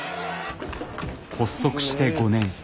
発足して５年。